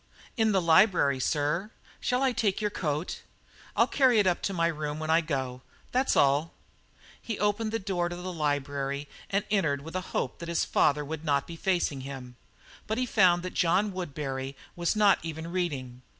"In the library, sir. Shall I take your coat?" "I'll carry it up to my room when I go. That's all." He opened the door to the library and entered with a hope that his father would not be facing him, but he found that John Woodbury was not even reading.